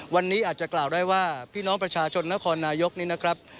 วันนี้อาจจะกล่าวได้ว่าพี่น้องประชาชนนครนายกนี้นะครับ